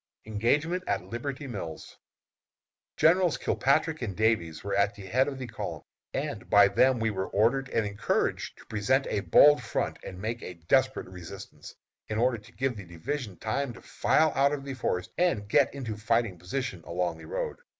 ENGAGEMENT AT LIBERTY MILLS. Generals Kilpatrick and Davies were at the head of the column, and by them we were ordered and encouraged to present a bold front and make a desperate resistance, in order to give the division time to file out of the forest and to get into a fighting position along the road.